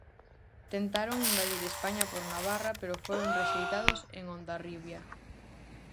Tentaron invadir España por Navarra pero foron rexeitados en Hondarribia.